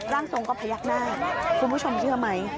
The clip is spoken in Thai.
ร่างทรงก็พยักหน้าคุณผู้ชมเชื่อไหม